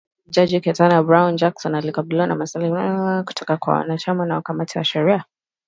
Jaji Ketanji Brown Jackson, alikabiliwa na maswali kwa saa kadhaa kutoka kwa wanachama wa kamati ya sheria